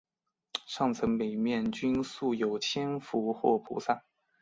上层每面均塑有千佛或菩萨。